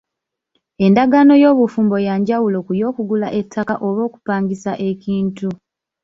Endagaano y’obufumbo ya njawuloko ku y’okugula ettaka oba okupangisa ekintu.,